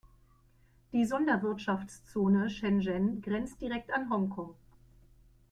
Die Sonderwirtschaftszone Shenzhen grenzt direkt an Hongkong.